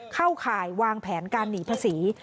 เข้าข่ายวางแผนการหนีภาษี